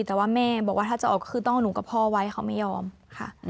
แต่ว่าแม่บอกว่าถ้าจะออกคือต้องเอาหนูกับพ่อไว้เขาไม่ยอมค่ะ